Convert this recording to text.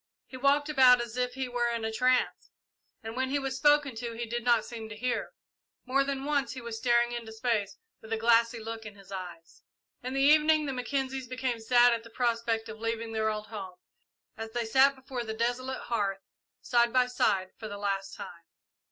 He walked about as if he were in a trance, and when he was spoken to he did not seem to hear. More than once he was seen staring into space with a glassy look in his eyes. In the evening the Mackenzies became sad at the prospect of leaving their old home, as they sat before the desolate hearth, side by side, for the last time.